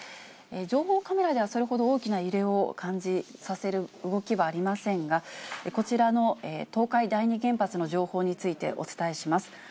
情報カメラではそれほど大きな揺れを感じさせる動きはありませんが、こちらの東海第二原発の情報について、お伝えします。